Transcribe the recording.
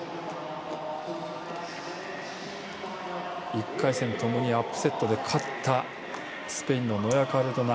１回戦ともにアップセットで勝ったスペインのノヤカルドナ。